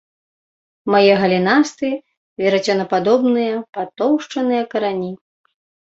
Мае галінастыя, верацёнападобныя патоўшчаныя карані.